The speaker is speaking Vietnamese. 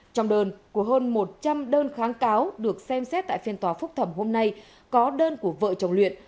trong đơn của hơn một trăm linh đơn kháng cáo được xem xét tại phiên tòa phúc thẩm hôm nay có đơn của vợ chồng luyện